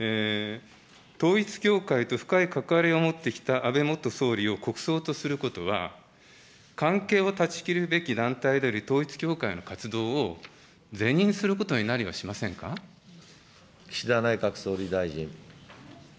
統一教会と深い関わりを持ってきた安倍元総理を国葬とすることは、関係を断ち切るべき団体である、統一教会の活動を是認することに岸田内閣総理大臣。